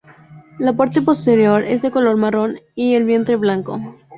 La parte posterior es de color marrón y el vientre blanco.